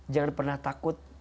jangan pernah takut